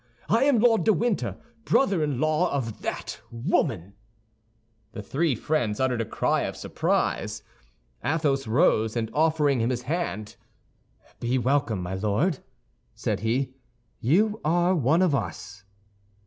I am Lord de Winter, brother in law of that woman." The three friends uttered a cry of surprise. Athos rose, and offering him his hand, "Be welcome, my Lord," said he, "you are one of us."